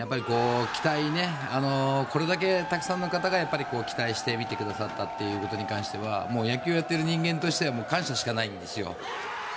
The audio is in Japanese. これだけたくさんの方がやっぱり期待して見てくださったということに関しては野球をやっている人間としては感謝しかないんですよ。